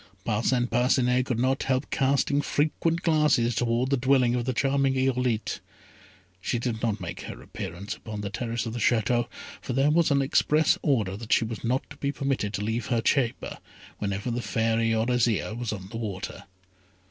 Parcin Parcinet could not help casting frequent glances towards the dwelling of the charming Irolite. She did not make her appearance upon the terrace of the Château, for there was an express order that she was not to be permitted to leave her chamber, whenever the Fairy or Azire was on the water.